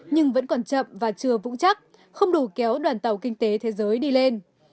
nhưng vẫn còn chậm và chưa vũ trắc không đủ kéo đoàn tàu kinh tế thế giới đi lên